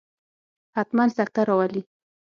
حتما سکته راولي.